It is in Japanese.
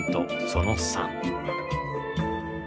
その３。